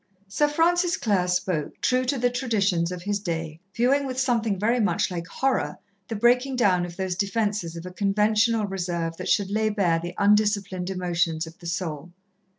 Sir Francis Clare spoke, true to the traditions of his day, viewing with something very much like horror the breaking down of those defences of a conventional reserve that should lay bare the undisciplined emotions of the soul.